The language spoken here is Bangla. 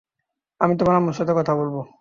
আমি তোমার আম্মুর সাথে কথা বলব।